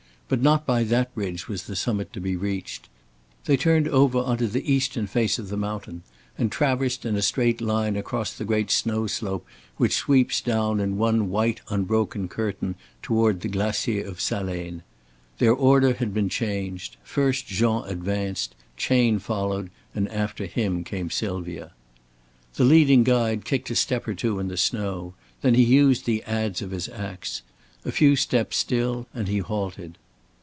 But not by that ridge was the summit to be reached. They turned over on to the eastern face of the mountain and traversed in a straight line across the great snow slope which sweeps down in one white unbroken curtain toward the Glacier of Saleinaz. Their order had been changed. First Jean advanced. Chayne followed and after him came Sylvia. The leading guide kicked a step or two in the snow. Then he used the adz of his ax. A few steps still, and he halted.